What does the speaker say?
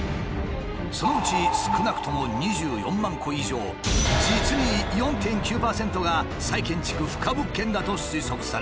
そのうち少なくとも２４万戸以上実に４．９％が再建築不可物件だと推測されている。